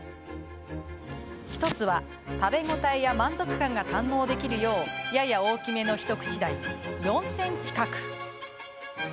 １つは、食べ応えや満足感が堪能できるようやや大きめの一口大、４ｃｍ角。